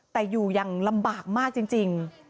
แต่อยู่อย่างลำบากมากจริง